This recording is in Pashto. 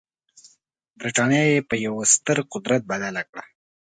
برټانیه یې په یوه ستر قدرت بدله کړه.